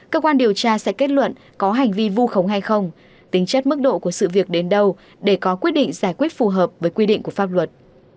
cơ quan điều tra sẽ kết luận có hành vi vu khống hay không tính chất mức độ của sự việc đến đâu để có quyết định giải quyết phù hợp với quy định của pháp luật